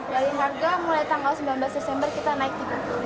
dari harga mulai tanggal sembilan belas desember kita naik tiga puluh lima